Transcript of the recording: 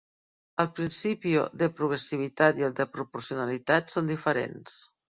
El principio de progressivitat i el de proporcionalitat són diferents.